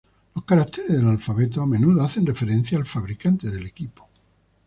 Los caracteres del alfabeto a menudo hacen referencia al fabricante del equipo.